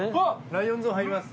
ライオンゾーン入ります。